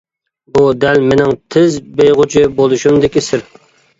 بۇ دەل مېنىڭ تېز بېيىغۇچى بولۇشۇمدىكى سىر.